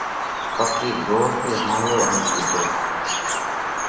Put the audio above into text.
ڦقِير زور ٿِي هاهيو ان ڪِيڌو: